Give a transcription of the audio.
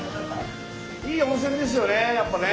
いい温泉ですよねやっぱね。